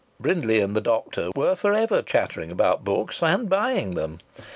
Brindley and the doctor were for ever chattering about books and buying them.